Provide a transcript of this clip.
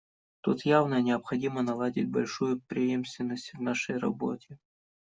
Тут явно необходимо наладить большую преемственность в нашей работе.